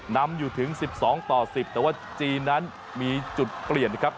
นำอยู่ถึง๑๒ต่อ๑๐แต่ว่าจีนนั้นมีจุดเปลี่ยนนะครับ